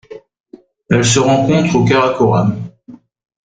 Elle se rencontre au Karakoram.